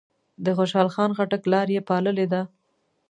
د خوشحال خان خټک لار یې پاللې ده.